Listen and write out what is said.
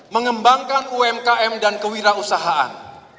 mengembangkan umkm dan kewirausahaan